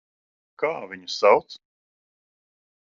Kā viņu sauc?